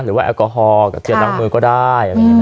หรือว่าแอลกอฮอล์กับเชื้อล้างมือก็ได้